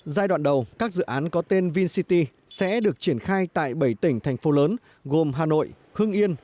giai đoạn đầu các dự án có tên vincity sẽ được triển khai tại bảy tỉnh thành phố lớn gồm hà nội hưng yên